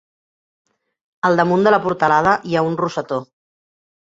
Al damunt de la portalada hi ha un rosetó.